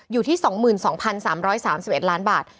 อยู่ที่๒๒๓๓๑ล้านบาท